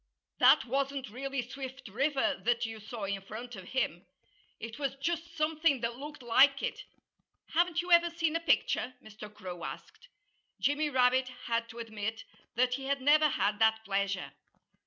"That wasn't really Swift River that you saw in front of him. It was just something that looked like it.... Haven't you ever seen a picture?" Mr. Crow asked. Jimmy Rabbit had to admit that he had never had that pleasure.